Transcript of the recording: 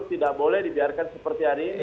tidak boleh dibiarkan seperti hari ini